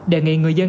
đề nghị người dân